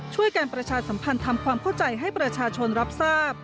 ช่วยการประชาสัมพันธ์ทำความเข้าใจให้ประชาชนรับทราบ